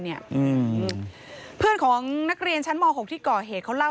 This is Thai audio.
เนี้ยอืมเพื่อนของนักเรียนชั้นหมอหกที่ก่อเหตุเขาเล่า